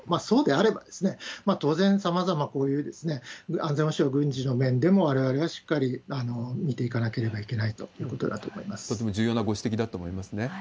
そうであれば、当然、さまざまこういう安全保障、軍事の面でもわれわれはしっかり見ていかなければいけないという特に重要なご指摘だと思いますね。